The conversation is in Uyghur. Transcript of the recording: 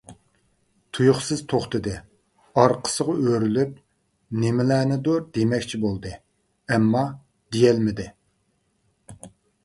تۇيۇقسىز توختىدى، ئارقىسىغا ئۆرۈلۈپ، نېمىلەرنىدۇر دېمەكچى بولدى، ئەمما دېيەلمىدى.